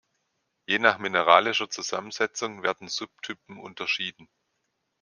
Je nach mineralischer Zusammensetzung werden Subtypen unterschieden.